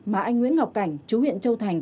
mà anh nguyễn ngọc cảnh chú huyện châu thành